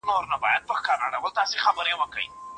یوه ورځ یې د سپي سترګي وې تړلي